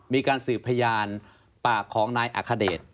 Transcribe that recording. มีการสืบพยานปากของนายอัคเดช